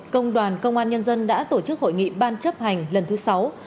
công đoàn công an nhân dân đã tổ chức hội nghị ban chấp hành lần thứ sáu